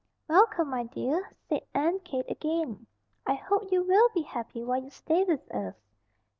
"Welcome, my dear!" said Aunt Kate again. "I hope you will be happy while you stay with us."